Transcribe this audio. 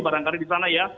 barangkali di sana ya